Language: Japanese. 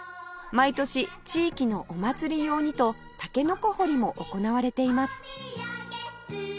毎年地域のお祭り用にとタケノコ掘りも行われています